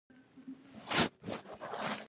زلمی خان خوب وږی پر مېز ناست و، د خبرو سر پیل کړ.